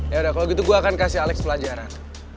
yaudah kalau gitu gue akan kasih alex pelajaran